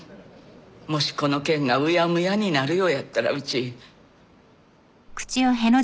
もしこの件がうやむやになるようやったらうち。